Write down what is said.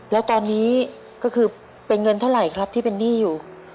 แล้วตอนนี้ก็คือเป็นเงินเท่าไหร่ครับที่เป็นหนี้อยู่